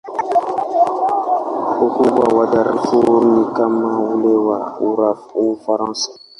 Ukubwa wa Darfur ni kama ule wa Ufaransa.